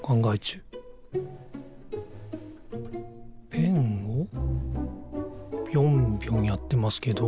ペンをぴょんぴょんやってますけど。